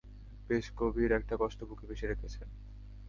বেশ গভীর একটা কষ্ট বুকে পুষে রেখেছেন!